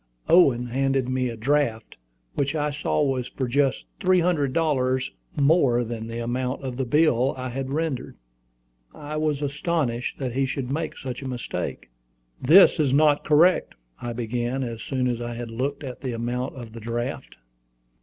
Owen handed me a draft, which I saw was for just three hundred dollars more than the amount of the bill I had rendered. I was astonished that he should make such a mistake. "This is not correct," I began, as soon as I had looked at the amount of the draft.